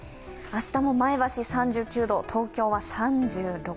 明日も前橋３９度、東京は３６度。